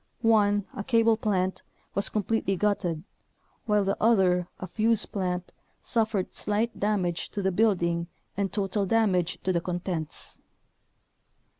One, a cable plant, was completely gutted, while the other, a fuze plant, suffered slight damage to the building and total damage to the contents.